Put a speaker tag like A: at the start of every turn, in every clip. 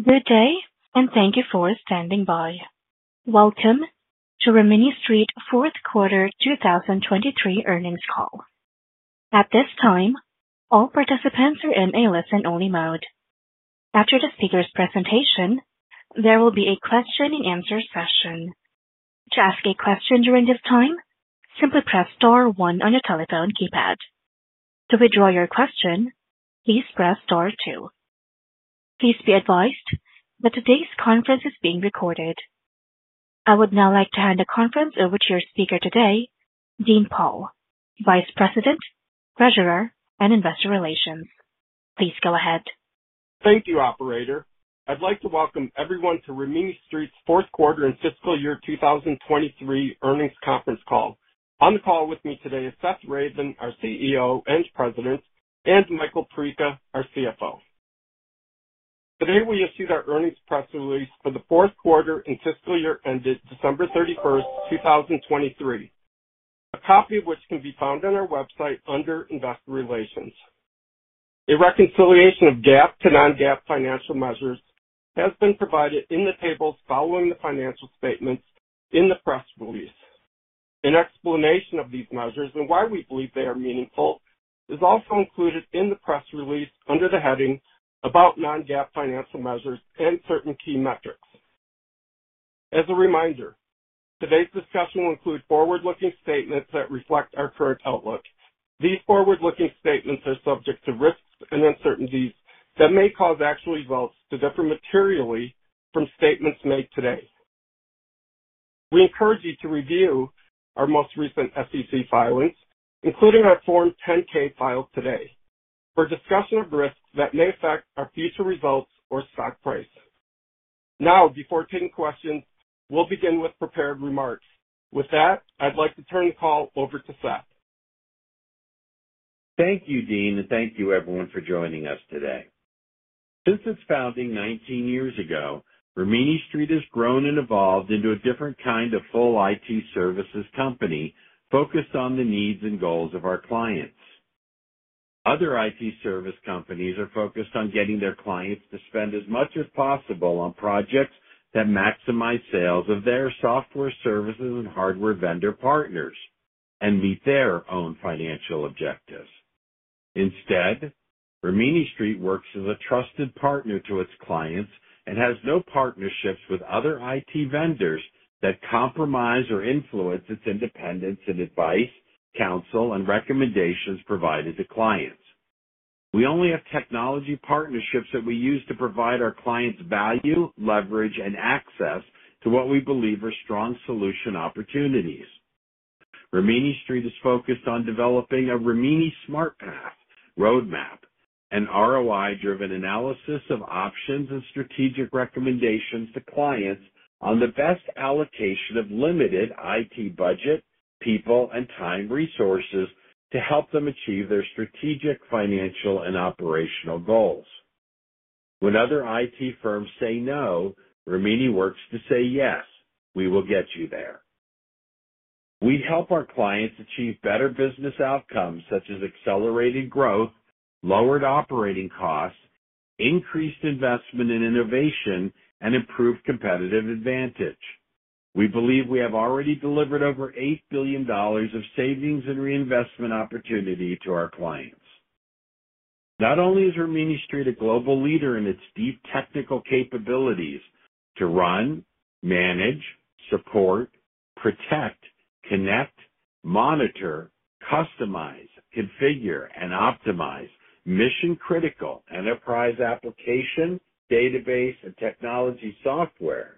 A: Good day, and thank you for standing by. Welcome to Rimini Street 4th Quarter 2023 earnings call. At this time, all participants are in a listen-only mode. After the speaker's presentation, there will be a question-and-answer session. To ask a question during this time, simply press star one on your telephone keypad. To withdraw your question, please press star two. Please be advised that today's conference is being recorded. I would now like to hand the conference over to your speaker today, Dean Pohl, Vice President, Treasurer, and Investor Relations. Please go ahead.
B: Thank you, Operator. I'd like to welcome everyone to Rimini Street's 4th Quarter and Fiscal Year 2023 earnings conference call. On the call with me today are Seth Ravin, our CEO and President, and Michael Perica, our CFO. Today we issue the earnings press release for the 4th Quarter and Fiscal Year ended December 31, 2023, a copy of which can be found on our website under Investor Relations. A reconciliation of GAAP to non-GAAP financial measures has been provided in the tables following the financial statements in the press release. An explanation of these measures and why we believe they are meaningful is also included in the press release under the heading about non-GAAP financial measures and certain key metrics. As a reminder, today's discussion will include forward-looking statements that reflect our current outlook. These forward-looking statements are subject to risks and uncertainties that may cause actual results to differ materially from statements made today. We encourage you to review our most recent SEC filings, including our Form 10-K filed today, for discussion of risks that may affect our future results or stock price. Now, before taking questions, we'll begin with prepared remarks. With that, I'd like to turn the call over to Seth.
C: Thank you, Dean, and thank you, everyone, for joining us today. Since its founding 19 years ago, Rimini Street has grown and evolved into a different kind of full IT services company focused on the needs and goals of our clients. Other IT service companies are focused on getting their clients to spend as much as possible on projects that maximize sales of their software services and hardware vendor partners and meet their own financial objectives. Instead, Rimini Street works as a trusted partner to its clients and has no partnerships with other IT vendors that compromise or influence its independence in advice, counsel, and recommendations provided to clients. We only have technology partnerships that we use to provide our clients value, leverage, and access to what we believe are strong solution opportunities. Rimini Street is focused on developing a Rimini Smart Path roadmap, an ROI-driven analysis of options and strategic recommendations to clients on the best allocation of limited IT budget, people, and time resources to help them achieve their strategic financial and operational goals. When other IT firms say no, Rimini works to say yes. We will get you there. We help our clients achieve better business outcomes such as accelerated growth, lowered operating costs, increased investment in innovation, and improved competitive advantage. We believe we have already delivered over $8 billion of savings and reinvestment opportunity to our clients. Not only is Rimini Street a global leader in its deep technical capabilities to run, manage, support, protect, connect, monitor, customize, configure, and optimize mission-critical enterprise application, database, and technology software,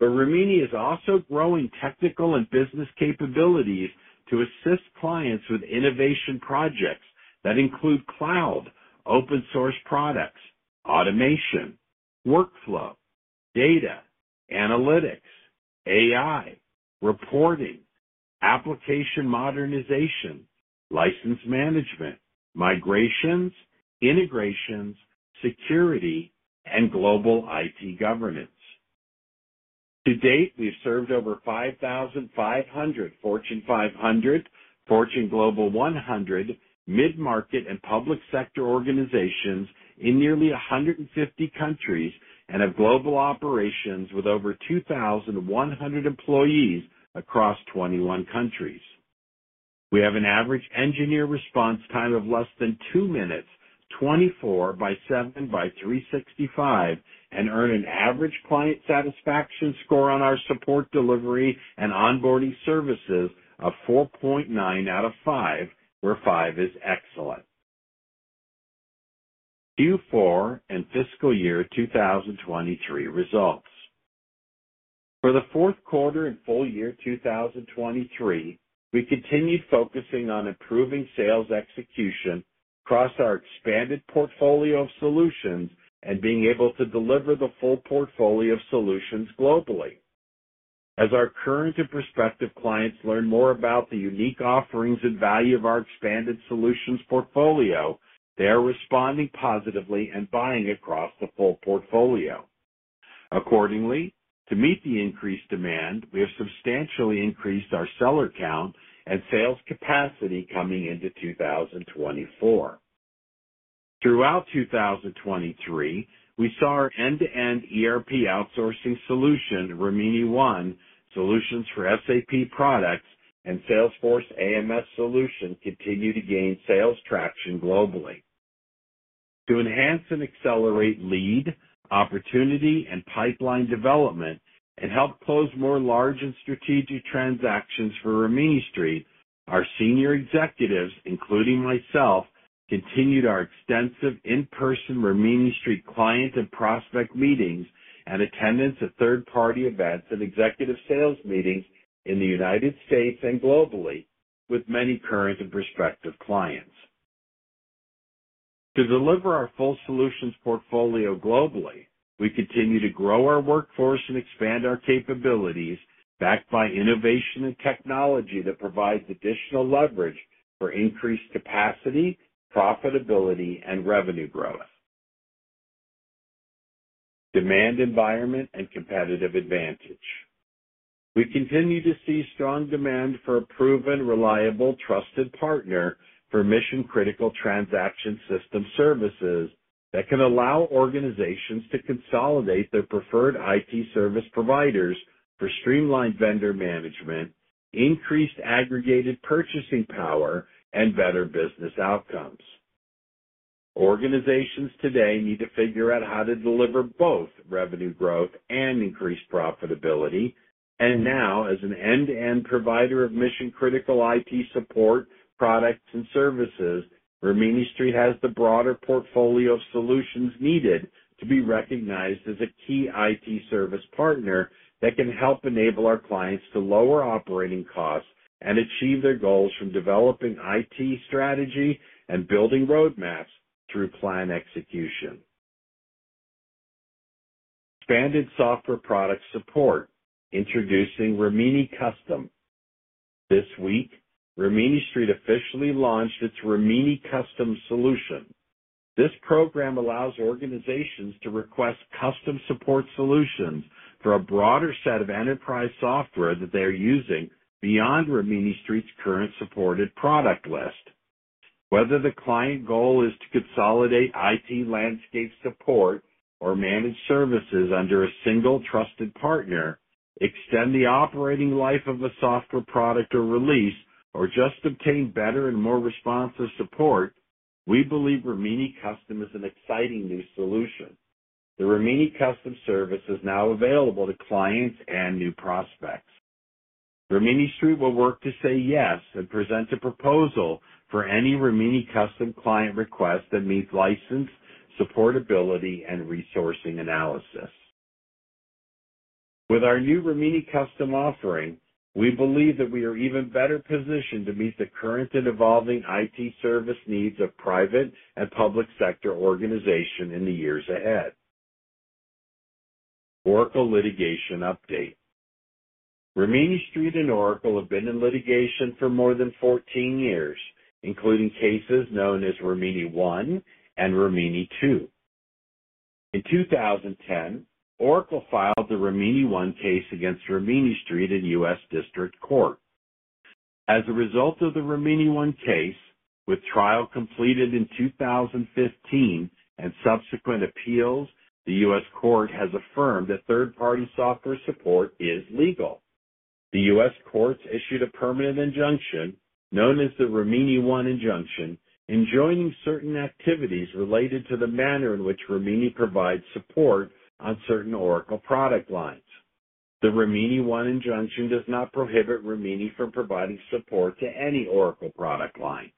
C: but Rimini is also growing technical and business capabilities to assist clients with innovation projects that include cloud, open-source products, automation, workflow, data, analytics, AI, reporting, application modernization, license management, migrations, integrations, security, and global IT governance. To date, we've served over 5,500 Fortune 500, Fortune Global 100, mid-market, and public sector organizations in nearly 150 countries and have global operations with over 2,100 employees across 21 countries. We have an average engineer response time of less than two minutes, 24/7/365, and earn an average client satisfaction score on our support delivery and onboarding services of 4.9/5, where five is excellent. Q4 and Fiscal Year 2023 results. For the 4th quarter and Full Year 2023, we continued focusing on improving sales execution across our expanded portfolio of solutions and being able to deliver the full portfolio of solutions globally. As our current and prospective clients learn more about the unique offerings and value of our expanded solutions portfolio, they are responding positively and buying across the full portfolio. Accordingly, to meet the increased demand, we have substantially increased our seller count and sales capacity coming into 2024. Throughout 2023, we saw our end-to-end ERP outsourcing solution, Rimini ONE, solutions for SAP products, and Salesforce AMS solution continue to gain sales traction globally. To enhance and accelerate lead, opportunity, and pipeline development and help close more large and strategic transactions for Rimini Street, our senior executives, including myself, continued our extensive in-person Rimini Street client and prospect meetings and attendance at third-party events and executive sales meetings in the United States and globally with many current and prospective clients. To deliver our full solutions portfolio globally, we continue to grow our workforce and expand our capabilities backed by innovation and technology that provides additional leverage for increased capacity, profitability, and revenue growth. Demand environment and competitive advantage. We continue to see strong demand for a proven, reliable, trusted partner for mission-critical transaction system services that can allow organizations to consolidate their preferred IT service providers for streamlined vendor management, increased aggregated purchasing power, and better business outcomes. Organizations today need to figure out how to deliver both revenue growth and increased profitability. And now, as an end-to-end provider of mission-critical IT support products and services, Rimini Street has the broader portfolio of solutions needed to be recognized as a key IT service partner that can help enable our clients to lower operating costs and achieve their goals from developing IT strategy and building roadmaps through plan execution. Expanded software product support, introducing Rimini Custom. This week, Rimini Street officially launched its Rimini Custom solution. This program allows organizations to request custom support solutions for a broader set of enterprise software that they are using beyond Rimini Street's current supported product list. Whether the client goal is to consolidate IT landscape support or manage services under a single trusted partner, extend the operating life of a software product or release, or just obtain better and more responsive support, we believe Rimini Custom is an exciting new solution. The Rimini Custom service is now available to clients and new prospects. Rimini Street will work to say yes and present a proposal for any Rimini Custom client request that meets license, supportability, and resourcing analysis. With our new Rimini Custom offering, we believe that we are even better positioned to meet the current and evolving IT service needs of private and public sector organizations in the years ahead. Oracle litigation update. Rimini Street and Oracle have been in litigation for more than 14 years, including cases known as Rimini ONE and Rimini Two. In 2010, Oracle filed the Rimini ONE case against Rimini Street in U.S. District Court. As a result of the Rimini ONE case, with trial completed in 2015 and subsequent appeals, the U.S. Court has affirmed that third-party software support is legal. The U.S. Court has issued a permanent injunction known as the Rimini ONE injunction enjoining certain activities related to the manner in which Rimini provides support on certain Oracle product lines. The Rimini ONE injunction does not prohibit Rimini from providing support to any Oracle product line.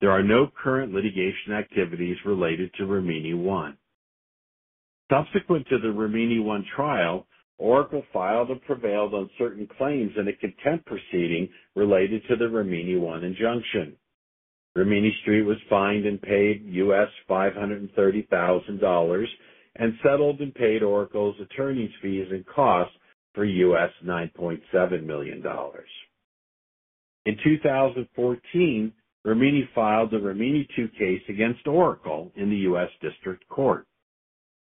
C: There are no current litigation activities related to Rimini ONE. Subsequent to the Rimini ONE trial, Oracle filed and prevailed on certain claims in a contempt proceeding related to the Rimini ONE injunction. Rimini Street was fined and paid $530,000 and settled and paid Oracle's attorney's fees and costs for $9.7 million. In 2014, Rimini filed the Rimini Two case against Oracle in the U.S. District Court.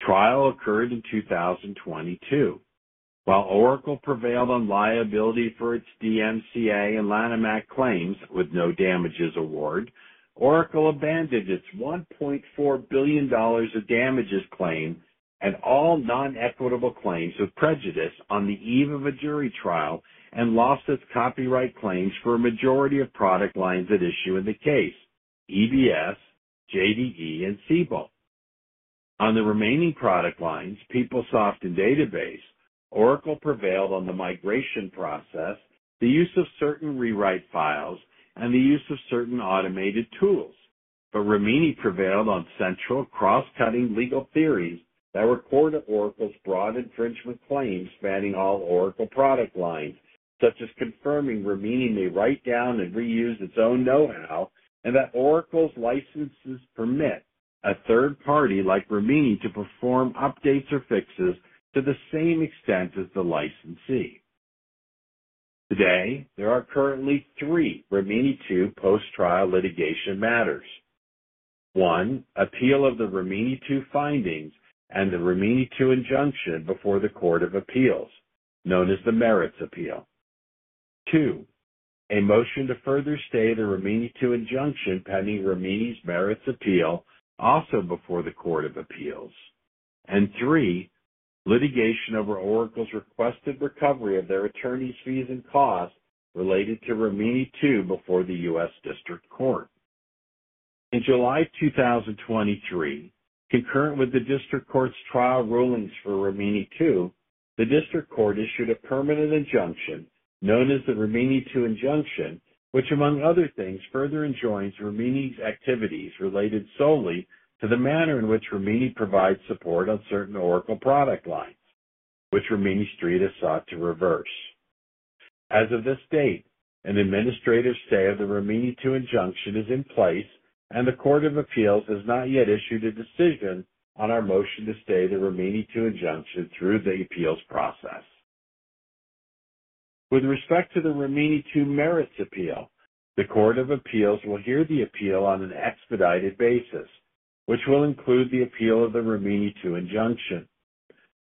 C: Trial occurred in 2022. While Oracle prevailed on liability for its DMCA and Lanham Act claims with no damages awarded, Oracle abandoned its $1.4 billion of damages claim and all non-equitable claims with prejudice on the eve of a jury trial and lost its copyright claims for a majority of product lines at issue in the case, EBS, JDE, and Siebel. On the remaining product lines, PeopleSoft and Database, Oracle prevailed on the migration process, the use of certain rewrite files, and the use of certain automated tools. But Rimini prevailed on central cross-cutting legal theories that record Oracle's broad infringement claims spanning all Oracle product lines, such as confirming Rimini may write down and reuse its own know-how and that Oracle's licenses permit a third party like Rimini to perform updates or fixes to the same extent as the licensee. Today, there are currently three Rimini Two post-trial litigation matters. One, appeal of the Rimini Two findings and the Rimini Two injunction before the Court of Appeals, known as the merits appeal. Two, a motion to further stay the Rimini Two injunction pending Rimini's merits appeal, also before the Court of Appeals. Three, litigation over Oracle's requested recovery of their attorney's fees and costs related to Rimini Two before the U.S. District Court. In July 2023, concurrent with the District Court's trial rulings for Rimini Two, the District Court issued a permanent injunction known as the Rimini Two injunction, which, among other things, further enjoins Rimini's activities related solely to the manner in which Rimini provides support on certain Oracle product lines, which Rimini Street has sought to reverse. As of this date, an administrative stay of the Rimini Two injunction is in place, and the Court of Appeals has not yet issued a decision on our motion to stay the Rimini Two injunction through the appeals process. With respect to the Rimini Two merits appeal, the Court of Appeals will hear the appeal on an expedited basis, which will include the appeal of the Rimini Two injunction.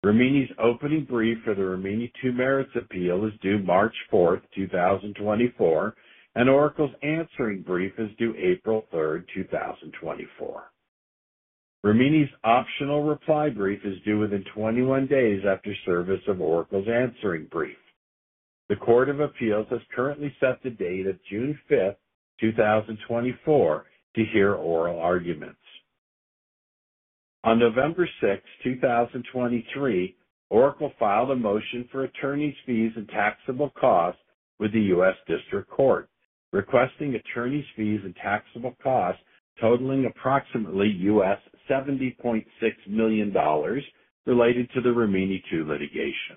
C: Rimini's opening brief for the Rimini Two merits appeal is due March 4th, 2024, and Oracle's answering brief is due April 3rd, 2024. Rimini's optional reply brief is due within 21 days after service of Oracle's answering brief. The Court of Appeals has currently set the date of June 5th, 2024, to hear oral arguments. On November 6th, 2023, Oracle filed a motion for attorney's fees and taxable costs with the U.S. District Court, requesting attorney's fees and taxable costs totaling approximately $70.6 million related to the Rimini Two litigation.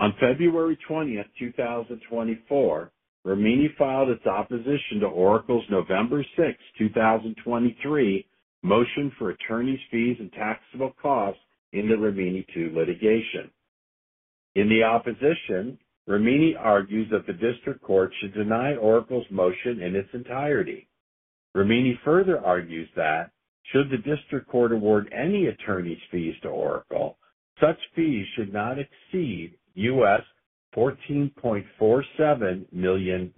C: On February 20th, 2024, Rimini filed its opposition to Oracle's November 6th, 2023, motion for attorney's fees and taxable costs in the Rimini Two litigation. In the opposition, Rimini argues that the District Court should deny Oracle's motion in its entirety. Rimini further argues that should the District Court award any attorney's fees to Oracle, such fees should not exceed $14.47 million.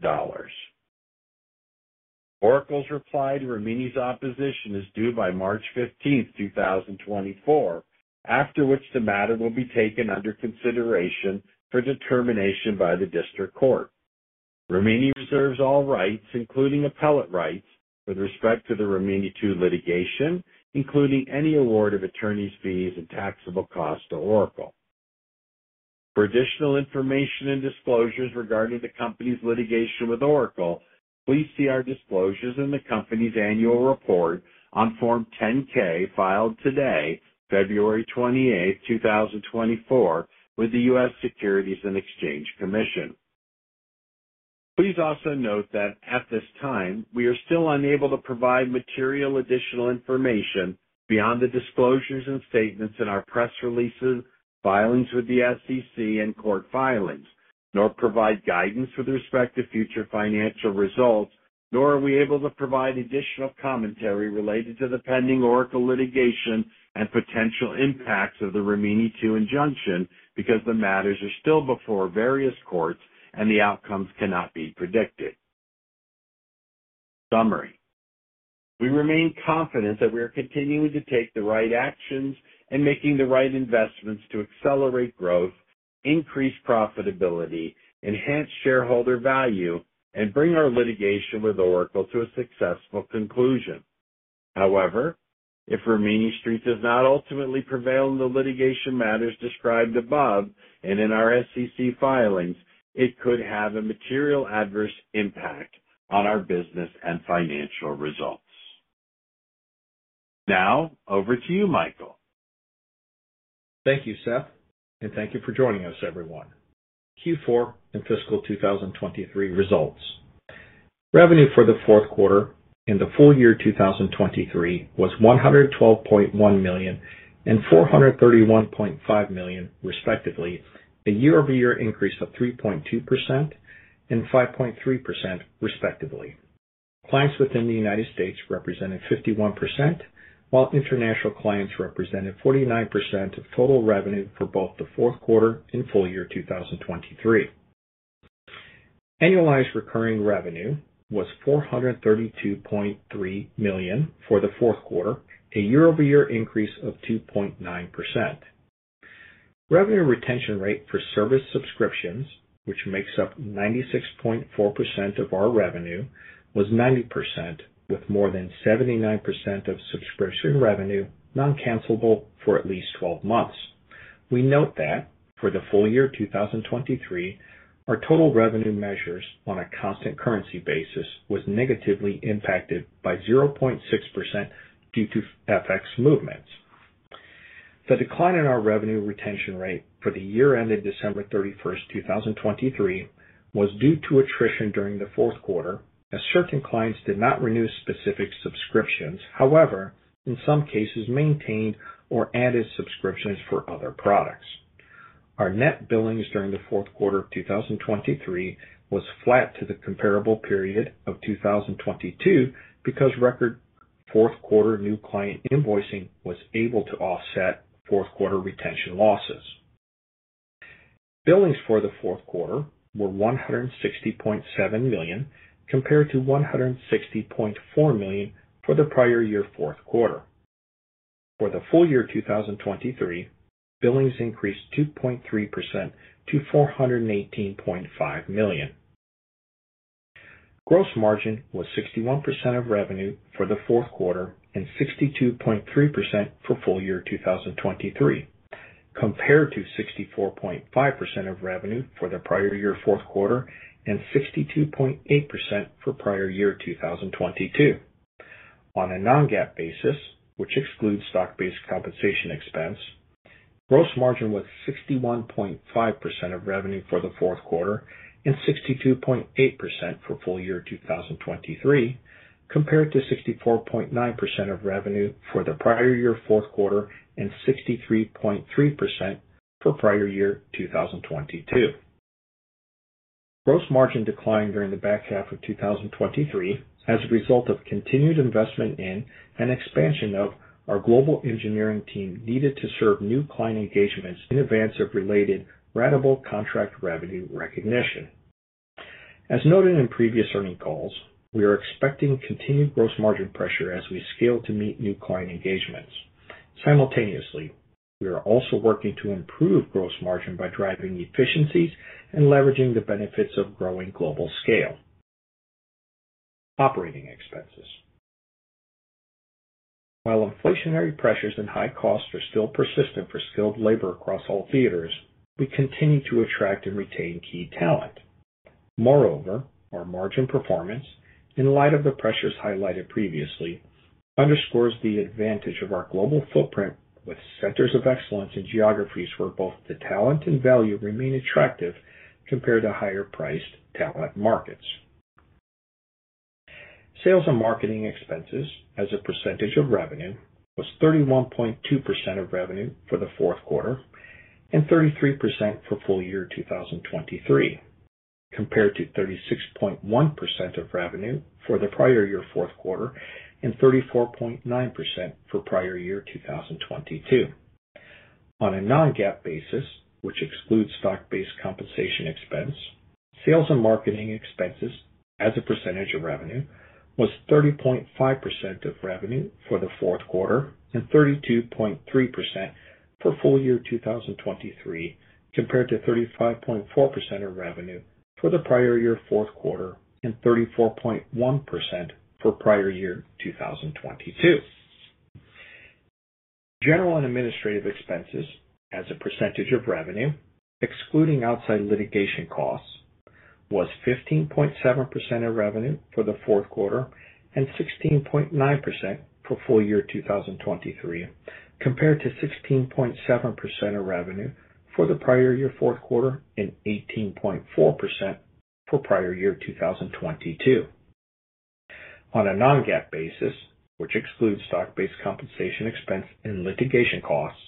C: Oracle's reply to Rimini's opposition is due by March 15th, 2024, after which the matter will be taken under consideration for determination by the District Court. Rimini reserves all rights, including appellate rights, with respect to the Rimini Two litigation, including any award of attorney's fees and taxable costs to Oracle. For additional information and disclosures regarding the company's litigation with Oracle, please see our disclosures in the company's annual report on Form 10-K filed today, February 28th, 2024, with the U.S. Securities and Exchange Commission. Please also note that at this time, we are still unable to provide material additional information beyond the disclosures and statements in our press releases, filings with the SEC, and court filings, nor provide guidance with respect to future financial results, nor are we able to provide additional commentary related to the pending Oracle litigation and potential impacts of the Rimini Two injunction because the matters are still before various courts and the outcomes cannot be predicted. Summary. We remain confident that we are continuing to take the right actions and making the right investments to accelerate growth, increase profitability, enhance shareholder value, and bring our litigation with Oracle to a successful conclusion. However, if Rimini Street does not ultimately prevail in the litigation matters described above and in our SEC filings, it could have a material adverse impact on our business and financial results. Now, over to you, Michael.
D: Thank you, Seth, and thank you for joining us, everyone. Q4 and Fiscal 2023 results. Revenue for the fourth quarter and the full year 2023 was $112.1 million and $431.5 million, respectively, a year-over-year increase of 3.2% and 5.3%, respectively. Clients within the United States represented 51%, while international clients represented 49% of total revenue for both the fourth quarter and full year 2023. Annualized Recurring Revenue was $432.3 million for the fourth quarter, a year-over-year increase of 2.9%. Revenue Retention Rate for service subscriptions, which makes up 96.4% of our revenue, was 90%, with more than 79% of subscription revenue non-cancelable for at least 12 months. We note that for the full year 2023, our total revenue measures on a constant currency basis were negatively impacted by 0.6% due to FX movements. The decline in our Revenue Retention Rate for the year ended December 31st, 2023, was due to attrition during the fourth quarter, as certain clients did not renew specific subscriptions, however, in some cases maintained or added subscriptions for other products. Our net billings during the fourth quarter of 2023 were flat to the comparable period of 2022 because record fourth quarter new client invoicing was able to offset fourth quarter retention losses. Billings for the fourth quarter were $160.7 million compared to $160.4 million for the prior year fourth quarter. For the full year 2023, billings increased 2.3% to $418.5 million. Gross margin was 61% of revenue for the fourth quarter and 62.3% for full year 2023, compared to 64.5% of revenue for the prior year fourth quarter and 62.8% for prior year 2022. On a Non-GAAP basis, which excludes stock-based compensation expense, gross margin was 61.5% of revenue for the fourth quarter and 62.8% for full year 2023, compared to 64.9% of revenue for the prior year fourth quarter and 63.3% for prior year 2022. Gross margin declined during the back half of 2023 as a result of continued investment in and expansion of our global engineering team needed to serve new client engagements in advance of related ratable contract revenue recognition. As noted in previous earnings calls, we are expecting continued gross margin pressure as we scale to meet new client engagements. Simultaneously, we are also working to improve gross margin by driving efficiencies and leveraging the benefits of growing global scale. Operating expenses. While inflationary pressures and high costs are still persistent for skilled labor across all theaters, we continue to attract and retain key talent. Moreover, our margin performance, in light of the pressures highlighted previously, underscores the advantage of our global footprint with centers of excellence in geographies where both the talent and value remain attractive compared to higher-priced talent markets. Sales and marketing expenses as a percentage of revenue were 31.2% of revenue for the fourth quarter and 33% for full year 2023, compared to 36.1% of revenue for the prior year fourth quarter and 34.9% for prior year 2022. On a non-GAAP basis, which excludes stock-based compensation expense, sales and marketing expenses as a percentage of revenue were 30.5% of revenue for the fourth quarter and 32.3% for full year 2023, compared to 35.4% of revenue for the prior year fourth quarter and 34.1% for prior year 2022. General and administrative expenses as a percentage of revenue, excluding outside litigation costs, were 15.7% of revenue for the fourth quarter and 16.9% for full year 2023, compared to 16.7% of revenue for the prior year fourth quarter and 18.4% for prior year 2022. On a non-GAAP basis, which excludes stock-based compensation expense and litigation costs,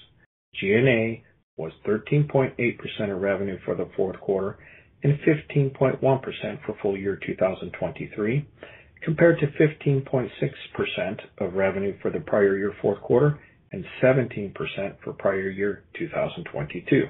D: G&A was 13.8% of revenue for the fourth quarter and 15.1% for full year 2023, compared to 15.6% of revenue for the prior year fourth quarter and 17% for prior year 2022.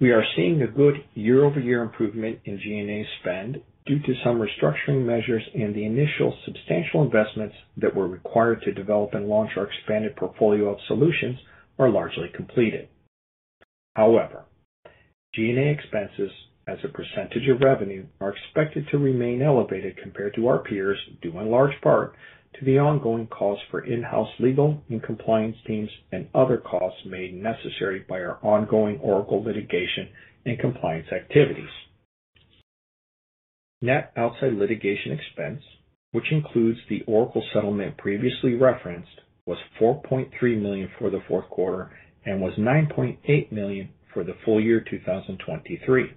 D: We are seeing a good year-over-year improvement in G&A spend due to some restructuring measures, and the initial substantial investments that were required to develop and launch our expanded portfolio of solutions are largely completed. However, G&A expenses as a percentage of revenue are expected to remain elevated compared to our peers, due in large part to the ongoing costs for in-house legal and compliance teams and other costs made necessary by our ongoing Oracle litigation and compliance activities. Net outside litigation expense, which includes the Oracle settlement previously referenced, was $4.3 million for the fourth quarter and was $9.8 million for the full year 2023,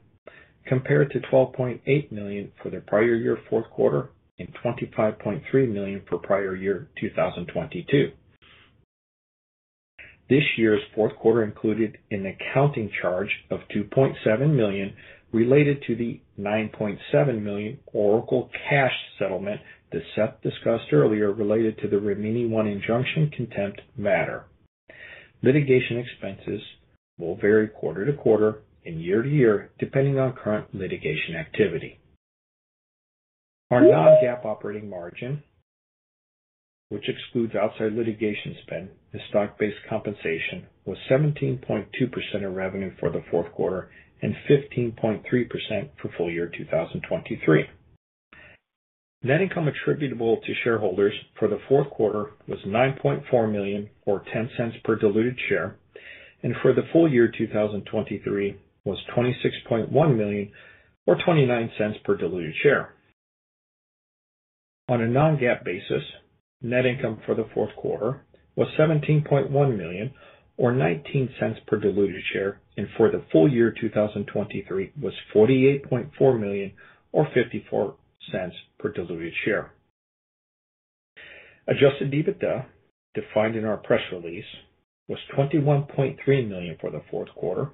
D: compared to $12.8 million for the prior year fourth quarter and $25.3 million for prior year 2022. This year's fourth quarter included an accounting charge of $2.7 million related to the $9.7 million Oracle cash settlement that Seth discussed earlier related to the Rimini ONE injunction contempt matter. Litigation expenses will vary quarter to quarter and year to year depending on current litigation activity. Our non-GAAP operating margin, which excludes outside litigation spend and stock-based compensation, was 17.2% of revenue for the fourth quarter and 15.3% for full year 2023. Net income attributable to shareholders for the fourth quarter was $9.4 million or $0.10 per diluted share, and for the full year 2023 was $26.1 million or $0.29 per diluted share. On a non-GAAP basis, net income for the fourth quarter was $17.1 million or $0.19 per diluted share, and for the full year 2023 was $48.4 million or $0.54 per diluted share. Adjusted EBITDA defined in our press release was $21.3 million for the fourth quarter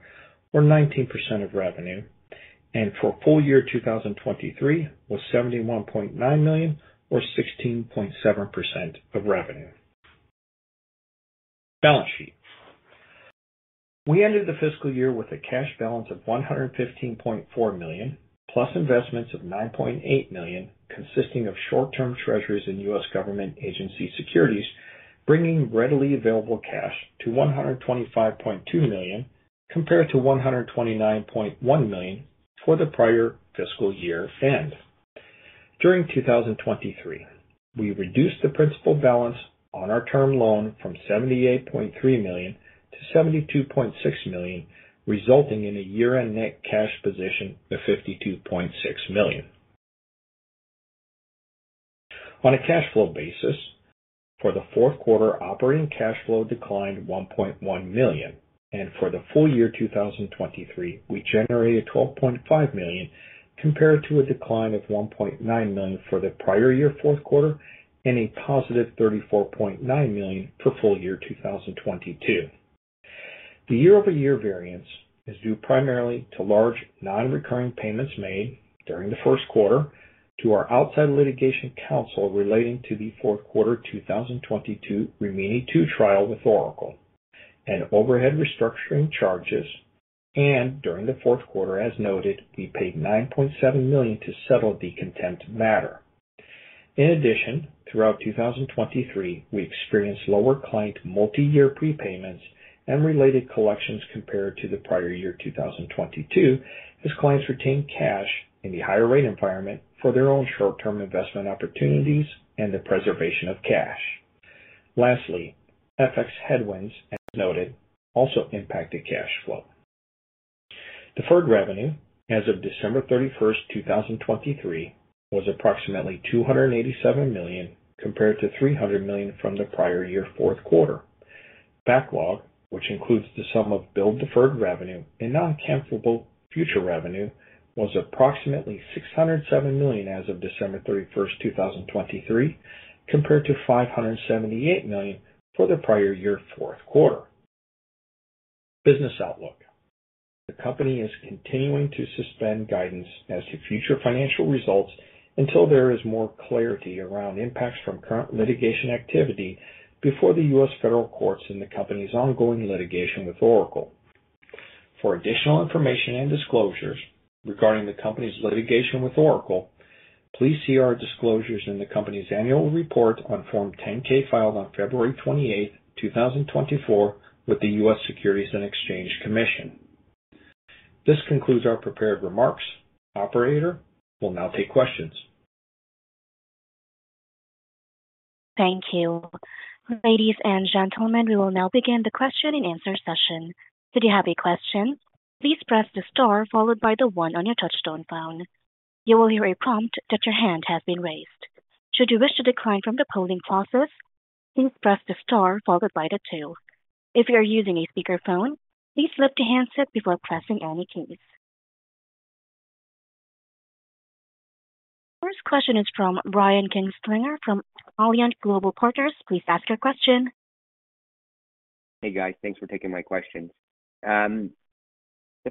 D: or 19% of revenue, and for full year 2023 was $71.9 million or 16.7% of revenue. Balance sheet. We ended the fiscal year with a cash balance of $115.4 million plus investments of $9.8 million consisting of short-term treasuries and U.S. government agency securities, bringing readily available cash to $125.2 million compared to $129.1 million for the prior fiscal year end. During 2023, we reduced the principal balance on our term loan from $78.3 million to $72.6 million, resulting in a year-end net cash position of $52.6 million. On a cash flow basis, for the fourth quarter, operating cash flow declined $1.1 million, and for the full year 2023, we generated $12.5 million compared to a decline of $1.9 million for the prior year fourth quarter and a positive $34.9 million for full year 2022. The year-over-year variance is due primarily to large non-recurring payments made during the first quarter to our outside litigation counsel relating to the fourth quarter 2022 Rimini Two trial with Oracle and overhead restructuring charges, and during the fourth quarter, as noted, we paid $9.7 million to settle the contempt matter. In addition, throughout 2023, we experienced lower client multi-year prepayments and related collections compared to the prior year 2022 as clients retained cash in the higher rate environment for their own short-term investment opportunities and the preservation of cash. Lastly, FX headwinds, as noted, also impacted cash flow. Deferred revenue as of December 31st, 2023, was approximately $287 million compared to $300 million from the prior year fourth quarter. Backlog, which includes the sum of billed deferred revenue and non-cancelable future revenue, was approximately $607 million as of December 31st, 2023, compared to $578 million for the prior year fourth quarter. Business outlook. The company is continuing to suspend guidance as to future financial results until there is more clarity around impacts from current litigation activity before the U.S. federal courts and the company's ongoing litigation with Oracle. For additional information and disclosures regarding the company's litigation with Oracle, please see our disclosures in the company's annual report on Form 10-K filed on February 28th, 2024, with the U.S. Securities and Exchange Commission. This concludes our prepared remarks. Operator will now take questions.
A: Thank you. Ladies and gentlemen, we will now begin the question and answer session. If you have a question, please press the star followed by the one on your touch-tone phone. You will hear a prompt that your hand has been raised. Should you wish to decline from the polling process, please press the star followed by the two. If you are using a speakerphone, please lift your handset before pressing any keys. First question is from Brian Kinstlinger from A.G.P./Alliance Global Partners. Please ask your question.
E: Hey guys, thanks for taking my questions. The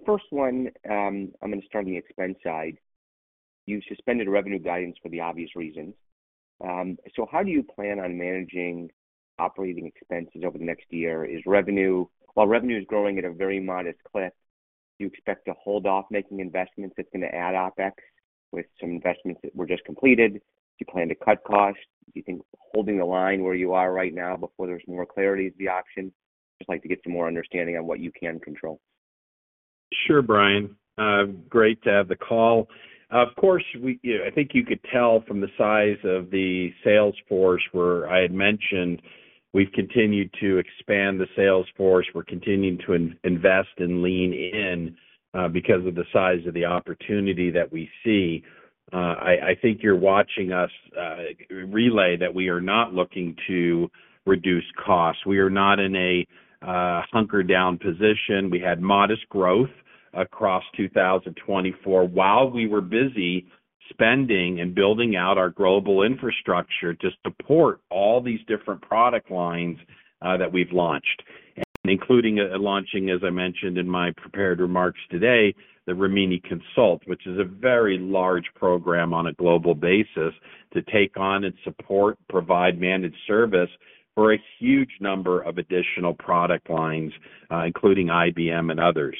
E: first one, I'm going to start on the expense side. You suspended revenue guidance for the obvious reasons. So how do you plan on managing operating expenses over the next year? Is revenue while revenue is growing at a very modest clip, do you expect to hold off making investments that's going to add OpEx with some investments that were just completed? Do you plan to cut costs? Do you think holding the line where you are right now before there's more clarity is the option? Just like to get some more understanding on what you can control.
C: Sure, Brian. Great to have the call. Of course, I think you could tell from the size of the sales force where I had mentioned we've continued to expand the sales force. We're continuing to invest and lean in because of the size of the opportunity that we see. I think you're watching us relay that we are not looking to reduce costs. We are not in a hunkered-down position. We had modest growth across 2024 while we were busy spending and building out our global infrastructure to support all these different product lines that we've launched, including launching, as I mentioned in my prepared remarks today, the Rimini Consult, which is a very large program on a global basis to take on and support, provide managed service for a huge number of additional product lines, including IBM and others.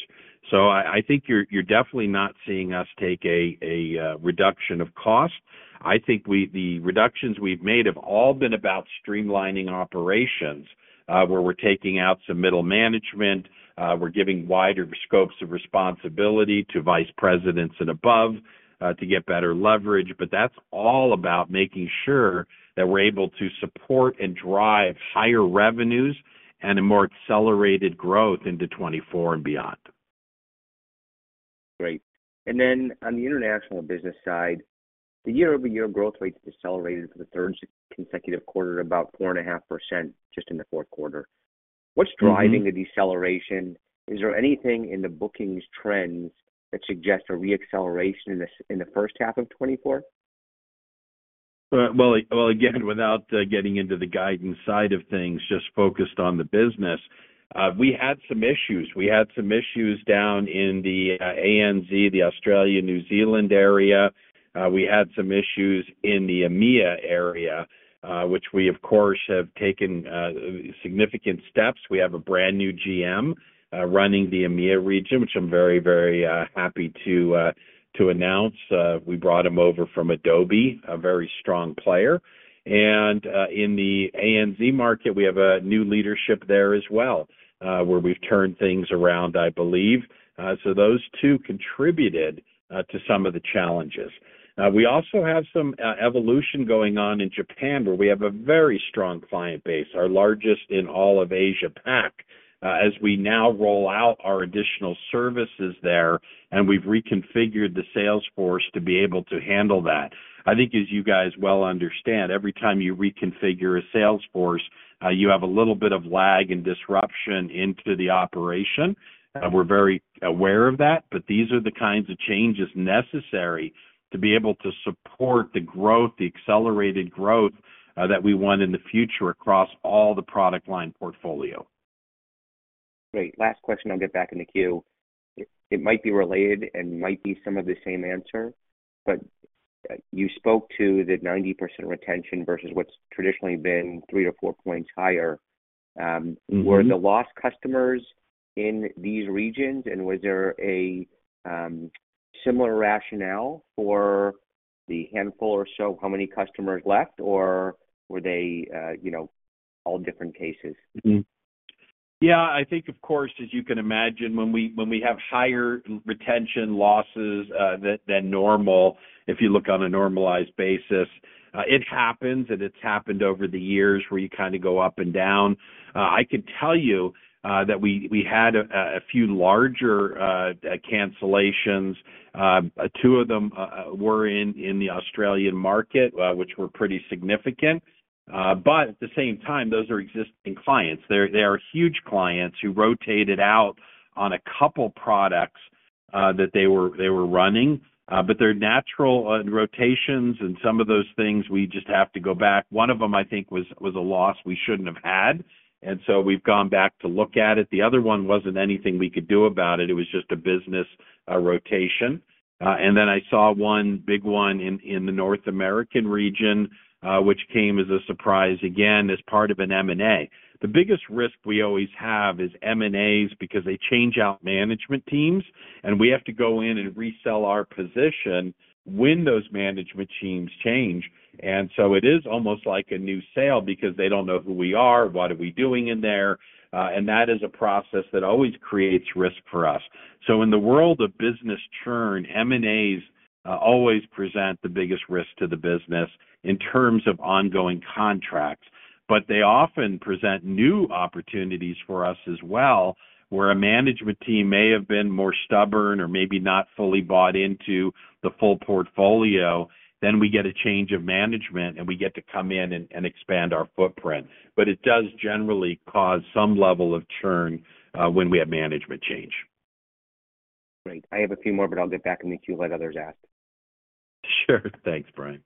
C: So I think you're definitely not seeing us take a reduction of cost. I think the reductions we've made have all been about streamlining operations where we're taking out some middle management. We're giving wider scopes of responsibility to vice presidents and above to get better leverage, but that's all about making sure that we're able to support and drive higher revenues and a more accelerated growth into 2024 and beyond.
E: Great. And then on the international business side, the year-over-year growth rate's decelerated for the third consecutive quarter to about 4.5% just in the fourth quarter. What's driving the deceleration? Is there anything in the bookings trends that suggests a reacceleration in the first half of 2024?
C: Well, again, without getting into the guidance side of things, just focused on the business, we had some issues. We had some issues down in the ANZ, the Australia-New Zealand area. We had some issues in the EMEA area, which we, of course, have taken significant steps. We have a brand new GM running the EMEA region, which I'm very, very happy to announce. We brought him over from Adobe, a very strong player. And in the ANZ market, we have a new leadership there as well where we've turned things around, I believe. So those two contributed to some of the challenges. We also have some evolution going on in Japan where we have a very strong client base, our largest in all of Asia-Pacific, as we now roll out our additional services there, and we've reconfigured the sales force to be able to handle that. I think, as you guys well understand, every time you reconfigure a sales force, you have a little bit of lag and disruption into the operation. We're very aware of that, but these are the kinds of changes necessary to be able to support the growth, the accelerated growth that we want in the future across all the product line portfolio.
E: Great. Last question, I'll get back in the queue. It might be related and might be some of the same answer, but you spoke to the 90% retention versus what's traditionally been three-four points higher. Were the lost customers in these regions, and was there a similar rationale for the handful or so how many customers left, or were they all different cases?
C: Yeah. I think, of course, as you can imagine, when we have higher retention losses than normal, if you look on a normalized basis, it happens, and it's happened over the years where you kind of go up and down. I could tell you that we had a few larger cancellations. Two of them were in the Australian market, which were pretty significant. But at the same time, those are existing clients. They are huge clients who rotated out on a couple of products that they were running, but their natural rotations and some of those things, we just have to go back. One of them, I think, was a loss we shouldn't have had, and so we've gone back to look at it. The other one wasn't anything we could do about it. It was just a business rotation. Then I saw one big one in the North American region, which came as a surprise again as part of an M&A. The biggest risk we always have is M&As because they change out management teams, and we have to go in and resell our position when those management teams change. So it is almost like a new sale because they don't know who we are, what are we doing in there, and that is a process that always creates risk for us. So in the world of business churn, M&As always present the biggest risk to the business in terms of ongoing contracts, but they often present new opportunities for us as well where a management team may have been more stubborn or maybe not fully bought into the full portfolio. Then we get a change of management, and we get to come in and expand our footprint. But it does generally cause some level of churn when we have management change.
E: Great. I have a few more, but I'll get back in the queue and let others ask.
C: Sure. Thanks, Brian.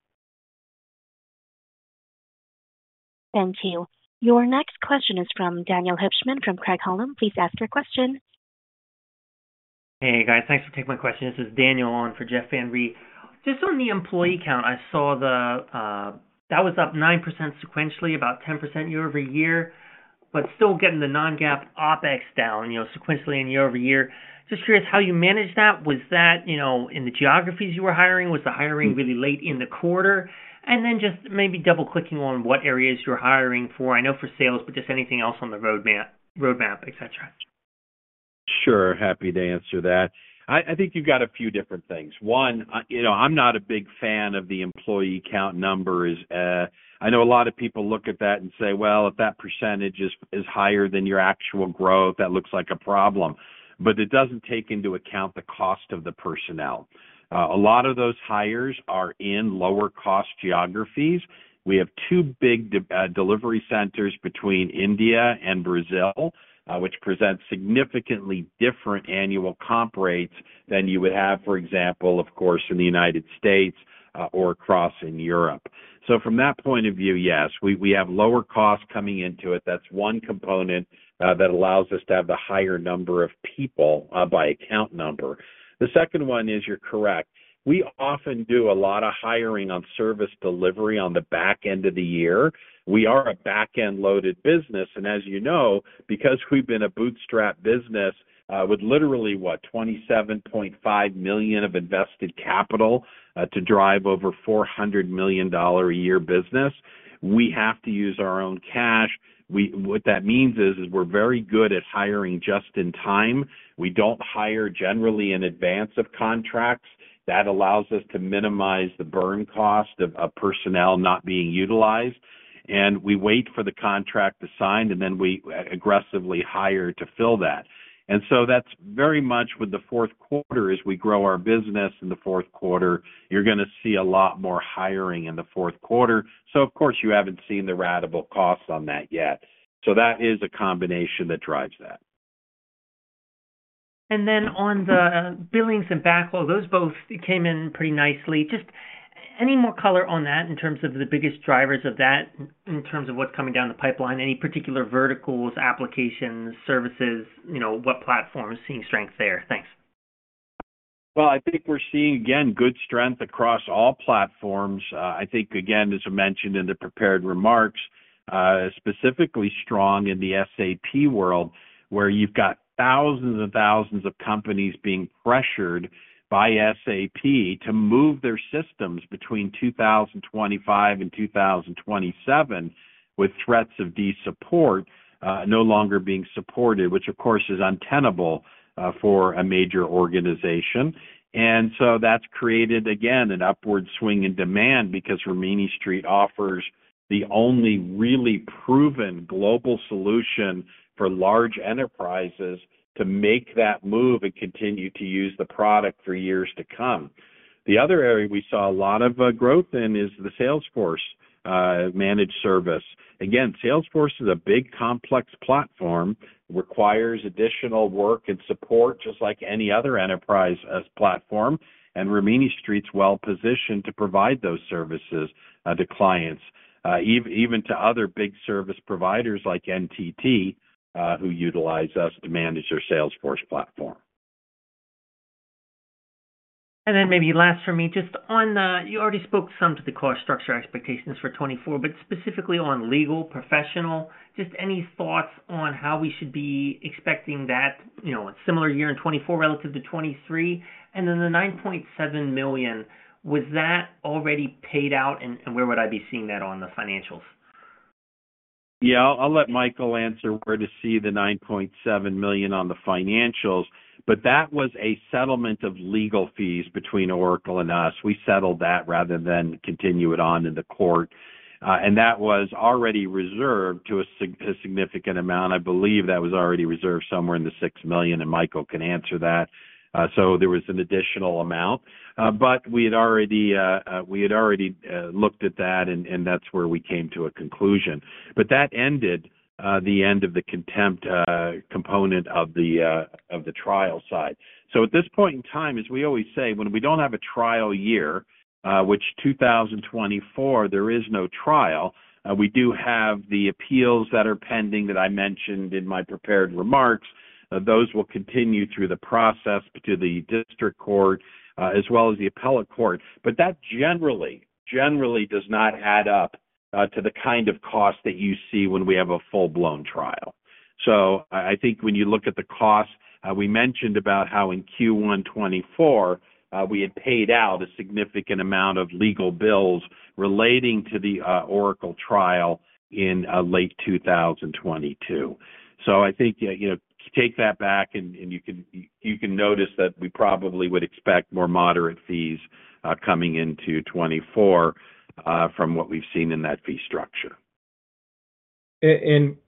A: Thank you. Your next question is from Daniel Hipschman from Craig-Hallum. Please ask your question.
F: Hey guys, thanks for taking my question. This is Daniel on for Jeff Van Rhee. Just on the employee count, I saw that was up 9% sequentially, about 10% year-over-year, but still getting the non-GAAP OpEx down sequentially and year-over-year. Just curious how you managed that. Was that in the geographies you were hiring? Was the hiring really late in the quarter? And then just maybe double-clicking on what areas you're hiring for, I know for sales, but just anything else on the roadmap, etc.
C: Sure. Happy to answer that. I think you've got a few different things. One, I'm not a big fan of the employee count numbers. I know a lot of people look at that and say, "Well, if that percentage is higher than your actual growth, that looks like a problem." But it doesn't take into account the cost of the personnel. A lot of those hires are in lower-cost geographies. We have two big delivery centers between India and Brazil, which present significantly different annual comp rates than you would have, for example, of course, in the United States or across in Europe. So from that point of view, yes, we have lower costs coming into it. That's one component that allows us to have the higher number of people by account number. The second one is you're correct. We often do a lot of hiring on service delivery on the back end of the year. We are a back-end-loaded business. As you know, because we've been a bootstrap business with literally, what, $27.5 million of invested capital to drive over $400 million a year business, we have to use our own cash. What that means is we're very good at hiring just in time. We don't hire generally in advance of contracts. That allows us to minimize the burn cost of personnel not being utilized. We wait for the contract to sign, and then we aggressively hire to fill that. So that's very much with the fourth quarter. As we grow our business in the fourth quarter, you're going to see a lot more hiring in the fourth quarter. Of course, you haven't seen the radical costs on that yet. That is a combination that drives that.
F: And then on the billings and backlog, those both came in pretty nicely. Just any more color on that in terms of the biggest drivers of that in terms of what's coming down the pipeline? Any particular verticals, applications, services, what platforms seeing strength there? Thanks.
C: Well, I think we're seeing, again, good strength across all platforms. I think, again, as I mentioned in the prepared remarks, specifically strong in the SAP world where you've got thousands and thousands of companies being pressured by SAP to move their systems between 2025 and 2027 with threats of desupport, no longer being supported, which, of course, is untenable for a major organization. And so that's created, again, an upward swing in demand because Rimini Street offers the only really proven global solution for large enterprises to make that move and continue to use the product for years to come. The other area we saw a lot of growth in is the Salesforce managed service. Again, Salesforce is a big, complex platform, requires additional work and support just like any other enterprise platform. Rimini Street's well-positioned to provide those services to clients, even to other big service providers like NTT who utilize us to manage their Salesforce platform.
F: And then maybe last from me, just on that you already spoke some to the cost structure expectations for 2024, but specifically on legal, professional, just any thoughts on how we should be expecting that as a similar year in 2024 relative to 2023? And then the $9.7 million, was that already paid out, and where would I be seeing that on the financials?
C: Yeah, I'll let Michael answer where to see the $9.7 million on the financials. But that was a settlement of legal fees between Oracle and us. We settled that rather than continue it on in the court. And that was already reserved to a significant amount. I believe that was already reserved somewhere in the $6 million, and Michael can answer that. So there was an additional amount. But we had already looked at that, and that's where we came to a conclusion. But that ended the end of the contempt component of the trial side. So at this point in time, as we always say, when we don't have a trial year, which 2024, there is no trial, we do have the appeals that are pending that I mentioned in my prepared remarks. Those will continue through the process to the district court as well as the appellate court. That generally does not add up to the kind of cost that you see when we have a full-blown trial. So I think when you look at the costs, we mentioned about how in Q1 2024, we had paid out a significant amount of legal bills relating to the Oracle trial in late 2022. So I think take that back, and you can notice that we probably would expect more moderate fees coming into 2024 from what we've seen in that fee structure.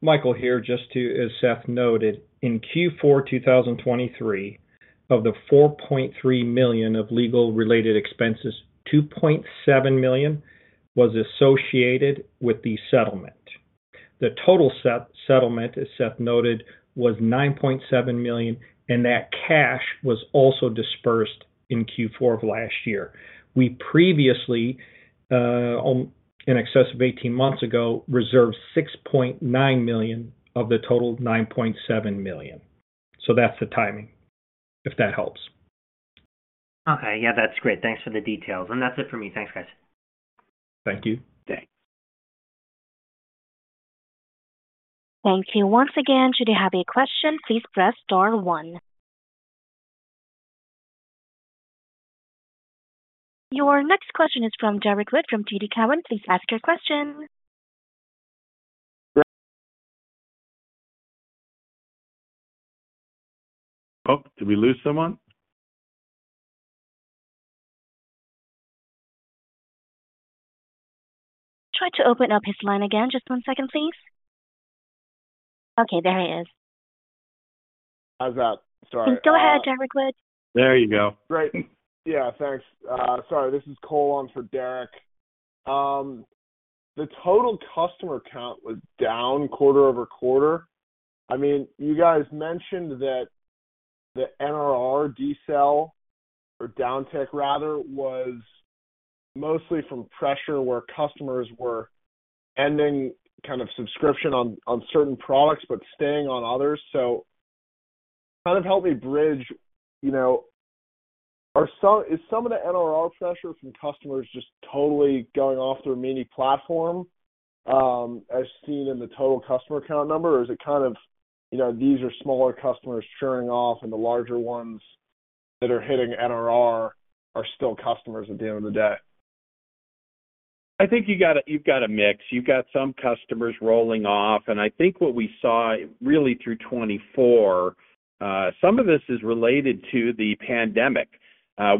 D: Michael here, just as Seth noted, in Q4 2023, of the $4.3 million of legal-related expenses, $2.7 million was associated with the settlement. The total settlement, as Seth noted, was $9.7 million, and that cash was also dispersed in Q4 of last year. We previously, in excess of 18 months ago, reserved $6.9 million of the total $9.7 million. So that's the timing, if that helps.
F: Okay. Yeah, that's great. Thanks for the details. That's it for me. Thanks, guys.
C: Thank you.
D: Thanks.
C: Thank you. Once again, should you have a question, please press star one. Your next question is from Derrick Wood from TD Cowen. Please ask your question. Oh, did we lose someone?
A: Try to open up his line again. Just one second, please. Okay, there he is.
G: How's that? Sorry.
A: Go ahead, Derrick Wood.
C: There you go.
G: Great. Yeah, thanks. Sorry, this is Cole on for Derrick. The total customer count was down quarter-over-quarter. I mean, you guys mentioned that the NRR, DSEL, or Down-sell, rather, was mostly from pressure where customers were ending kind of subscription on certain products but staying on others. So kind of help me bridge. Is some of the NRR pressure from customers just totally going off the Rimini platform as seen in the total customer count number, or is it kind of these are smaller customers churning off and the larger ones that are hitting NRR are still customers at the end of the day?
C: I think you've got a mix. You've got some customers rolling off. And I think what we saw really through 2024, some of this is related to the pandemic.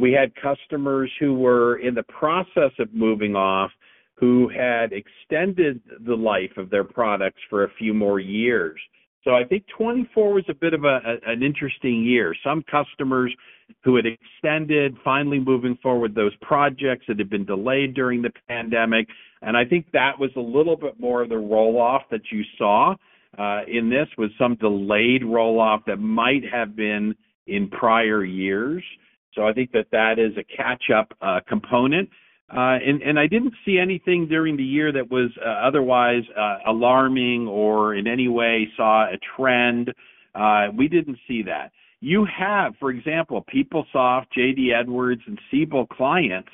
C: We had customers who were in the process of moving off who had extended the life of their products for a few more years. So I think 2024 was a bit of an interesting year. Some customers who had extended, finally moving forward those projects that had been delayed during the pandemic. And I think that was a little bit more of the rolloff that you saw in this was some delayed rolloff that might have been in prior years. So I think that that is a catch-up component. And I didn't see anything during the year that was otherwise alarming or in any way saw a trend. We didn't see that. You have, for example, PeopleSoft, JD Edwards, and Siebel clients.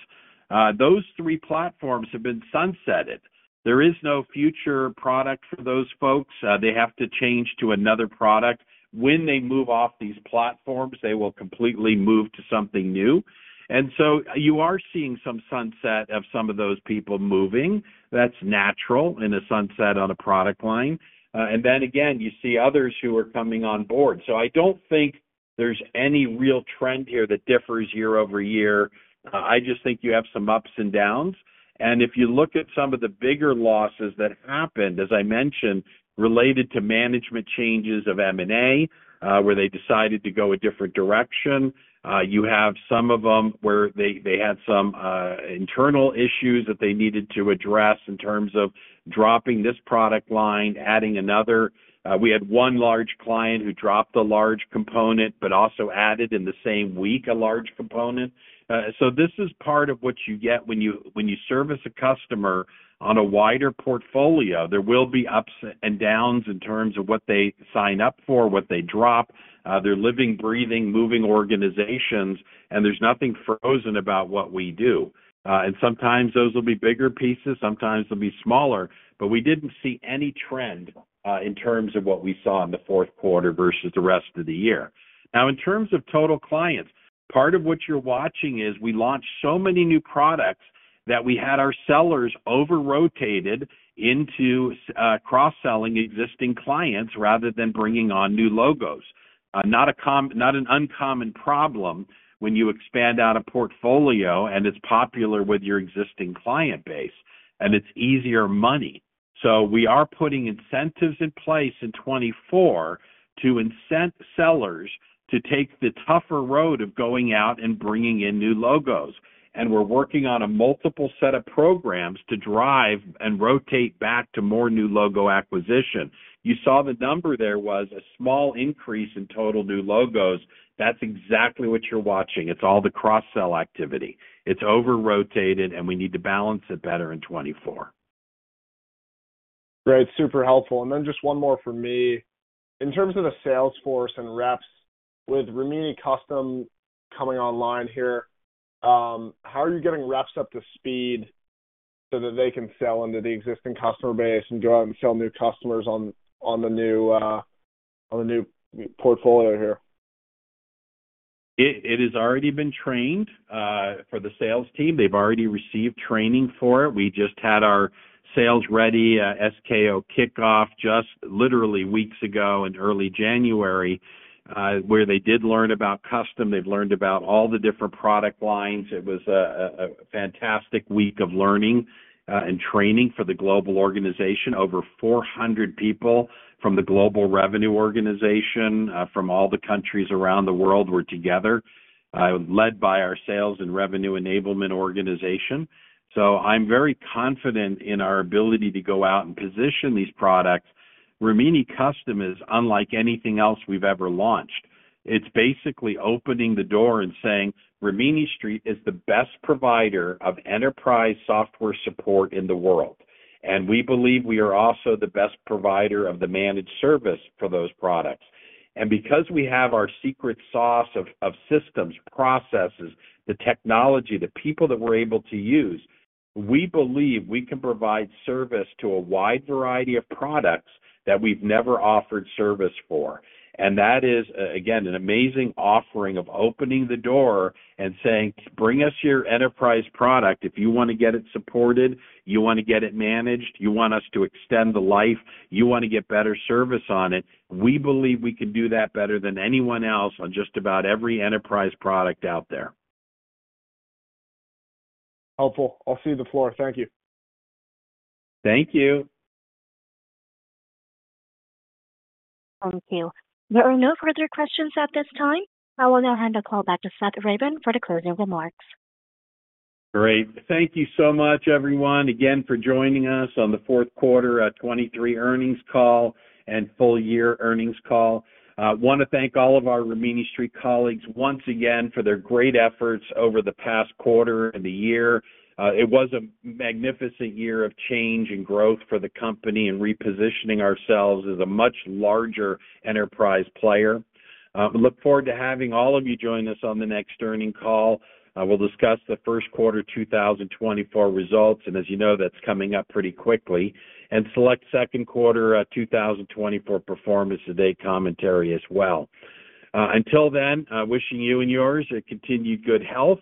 C: Those three platforms have been sunsetted. There is no future product for those folks. They have to change to another product. When they move off these platforms, they will completely move to something new. And so you are seeing some sunset of some of those people moving. That's natural in a sunset on a product line. And then again, you see others who are coming on board. So I don't think there's any real trend here that differs year-over-year. I just think you have some ups and downs. And if you look at some of the bigger losses that happened, as I mentioned, related to management changes of M&A where they decided to go a different direction, you have some of them where they had some internal issues that they needed to address in terms of dropping this product line, adding another. We had one large client who dropped a large component but also added in the same week a large component. So this is part of what you get when you service a customer on a wider portfolio. There will be ups and downs in terms of what they sign up for, what they drop. They're living, breathing, moving organizations, and there's nothing frozen about what we do. And sometimes those will be bigger pieces. Sometimes they'll be smaller. But we didn't see any trend in terms of what we saw in the fourth quarter versus the rest of the year. Now, in terms of total clients, part of what you're watching is we launched so many new products that we had our sellers over-rotated into cross-selling existing clients rather than bringing on new logos. Not an uncommon problem when you expand out a portfolio and it's popular with your existing client base, and it's easier money. So we are putting incentives in place in 2024 to incent sellers to take the tougher road of going out and bringing in new logos. And we're working on a multiple set of programs to drive and rotate back to more new logo acquisition. You saw the number there was a small increase in total new logos. That's exactly what you're watching. It's all the cross-sell activity. It's over-rotated, and we need to balance it better in 2024.
G: Great. Super helpful. And then just one more for me. In terms of the sales force and reps with Rimini Custom coming online here, how are you getting reps up to speed so that they can sell into the existing customer base and go out and sell new customers on the new portfolio here?
C: It has already been trained for the sales team. They've already received training for it. We just had our Sales Ready SKO kickoff just literally weeks ago in early January where they did learn about Custom. They've learned about all the different product lines. It was a fantastic week of learning and training for the global organization. Over 400 people from the global revenue organization from all the countries around the world were together, led by our sales and revenue enablement organization. So I'm very confident in our ability to go out and position these products. Rimini Custom is unlike anything else we've ever launched. It's basically opening the door and saying, "Rimini Street is the best provider of enterprise software support in the world. And we believe we are also the best provider of the managed service for those products." And because we have our secret sauce of systems, processes, the technology, the people that we're able to use, we believe we can provide service to a wide variety of products that we've never offered service for. And that is, again, an amazing offering of opening the door and saying, "Bring us your enterprise product. If you want to get it supported, you want to get it managed, you want to extend the life, you want to get better service on it, we believe we can do that better than anyone else on just about every enterprise product out there.
G: Helpful. I'll cede the floor. Thank you.
C: Thank you.
A: Thank you. There are no further questions at this time. I will now hand a call back to Seth Ravin for the closing remarks.
C: Great. Thank you so much, everyone, again, for joining us on the fourth quarter 2023 earnings call and full year earnings call. I want to thank all of our Rimini Street colleagues once again for their great efforts over the past quarter and the year. It was a magnificent year of change and growth for the company and repositioning ourselves as a much larger enterprise player. Look forward to having all of you join us on the next earnings call. We'll discuss the first quarter 2024 results, and as you know, that's coming up pretty quickly, and select second quarter 2024 performance to date commentary as well. Until then, wishing you and yours continued good health,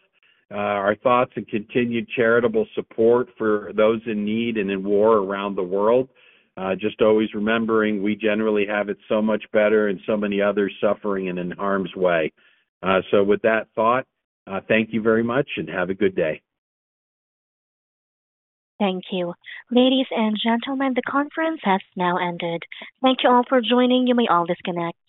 C: our thoughts, and continued charitable support for those in need and in war around the world. Just always remembering, we generally have it so much better and so many others suffering in harm's way. With that thought, thank you very much and have a good day.
A: Thank you. Ladies and gentlemen, the conference has now ended. Thank you all for joining. You may all disconnect.